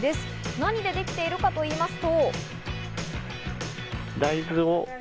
何でできているかと言いますと。